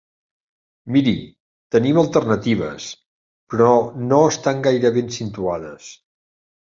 Miri, tenim alternatives, però no estan gaire ben situades.